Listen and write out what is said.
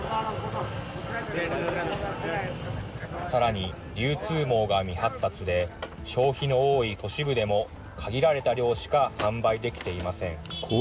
さらに、流通網が未発達で、消費の多い都市部でも限られた量しか販売できていません。